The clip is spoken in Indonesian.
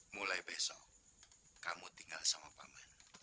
mulai besok kamu tinggal sama pak man